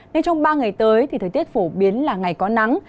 nên trong ba ngày tới thì thời tiết phổ biến là ngày có nắng